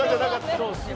そうっすね。